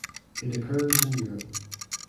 It occurs in Europe.